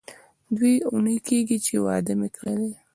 دوې اونۍ کېږي چې واده مې کړی دی.